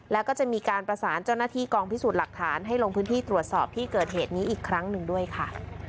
แล้วก็จะมีการประสานเจ้าหน้าที่กองพิสูจน์หลักฐานให้ลงพื้นที่ตรวจสอบที่เกิดเหตุนี้อีกครั้งหนึ่งด้วยค่ะ